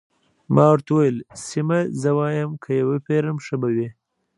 ما ورته وویل: سیمه، زه وایم که يې وپېرم، ښه به وي.